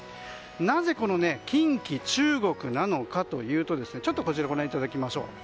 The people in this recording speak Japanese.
なぜ近畿、中国なのかといいますとこちら、ご覧いただきましょう。